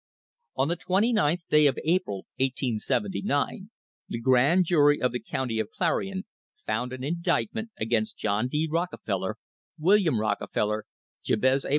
On the 29th day of April, 1879, the Grand Jury of the County of Clarion found an indictment against John D. Rockefeller, William Rockefeller, Jabez A.